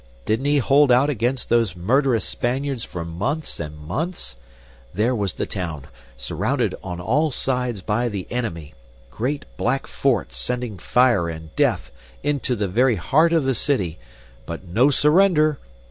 Didn't he hold out against those murderous Spaniards for months and months? There was the town, surrounded on all sides by the enemy; great black forts sending fire and death into the very heart of the city but no surrender!